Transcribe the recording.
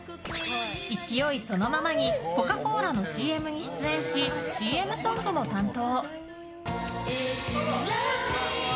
勢いそのままにコカ・コーラのＣＭに出演しＣＭソングも担当。